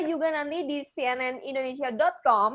ini juga nanti di cnnindonesia com